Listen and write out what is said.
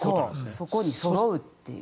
そこにそろうという。